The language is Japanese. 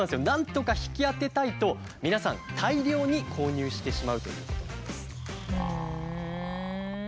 なんとか引き当てたいと皆さん大量に購入してしまうということなんです。